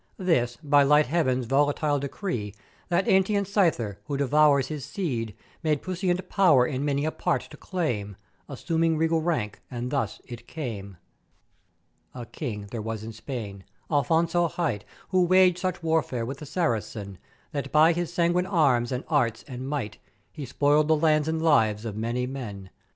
This, by light Heaven's volatile decree, that antient Scyther, who devours his seed, made puissant pow'er in many a part to claim, assuming regal rank; and thus it came: "A King there was in Spain, Afonso hight, who waged such warfare with the Saracen, that by his 'sanguined arms, and arts, and might, he spoiled the lands and lives of many men.